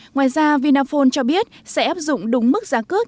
ngoài ra vinaphone cho biết sẽ áp dụng đúng mức giá cước